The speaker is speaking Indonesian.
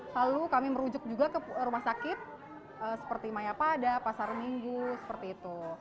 lalu kami merujuk juga ke rumah sakit seperti mayapada pasar minggu seperti itu